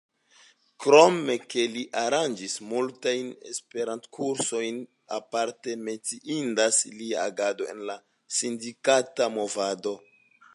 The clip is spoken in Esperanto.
Krom ke li aranĝis multajn Esperanto-kursojn, aparte menciindas lia agado en la sindikata movado.